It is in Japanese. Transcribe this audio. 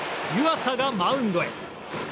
湯浅がマウンドへ。